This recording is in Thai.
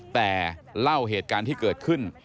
แต่เล่าเหตุการณ์ที่เกิดขึ้น